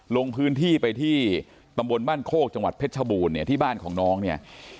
ลงพื้นที่ไปที่ตำบลบ้านโคกจังหวัดเพชรชบูรณ์เนี่ยที่บ้านของน้องเนี่ย